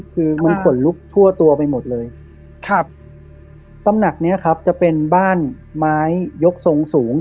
คือมันขนลุกทั่วตัวไปหมดเลยครับตำหนักเนี้ยครับจะเป็นบ้านไม้ยกทรงสูง